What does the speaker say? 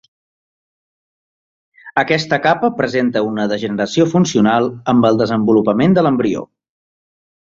Aquesta capa presenta una degeneració funcional amb el desenvolupament de l'embrió.